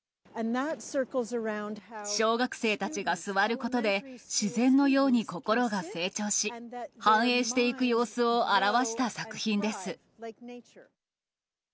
小学生たちが座ることで、自然のように心が成長し、繁栄していく様子を表わした作品です。